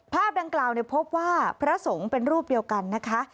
ภาพดังกล่าวพบว่าพระสงฆ์เป็นรูปเดียวกันนะคะ